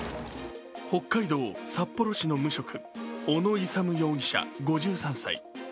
北海道札幌市の無職、小野勇容疑者５３歳。